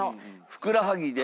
ふくらはぎで？